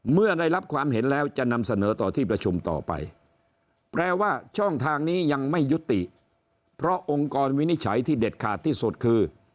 เมื่อได้รับความเห็นแล้วจะนำเสนอต่อที่ประชุมต่อไปแปลว่าช่องทางนี้ยังไม่ยุติเพราะองค์กรวินิจฉัยที่เด็ดขาดที่สุดคือ